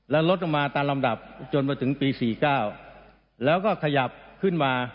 และลดลงมาตามลำดับจนมาถึงปี๔๙แล้วก็ขยับขึ้นมา